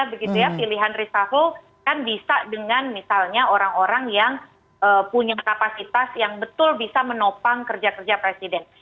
begitu ya pilihan reshuffle kan bisa dengan misalnya orang orang yang punya kapasitas yang betul bisa menopang kerja kerja presiden